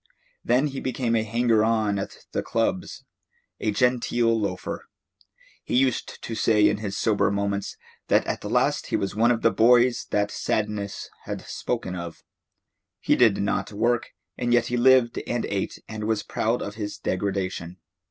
Then he became a hanger on at the clubs, a genteel loafer. He used to say in his sober moments that at last he was one of the boys that Sadness had spoken of. He did not work, and yet he lived and ate and was proud of his degradation.